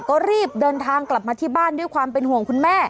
ก็รีบเดินทางกลับมาที่บ้านด้วยความเป็นห่วงคุณแม่